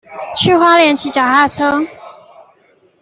去花蓮騎腳踏車